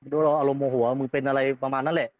เราอารมณ์โมโหมึงเป็นอะไรประมาณนั้นแหละ